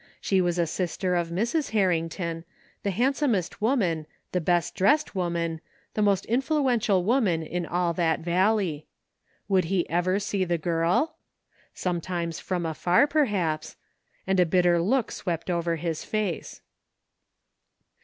She was a sister of Mrs. Harrington, the handsomest woman, the best dressed woman, the most influential woman in all that Valley. Would he ever see the girl ? Sometimes, from afar perhaps — and a bitter look swept over his face.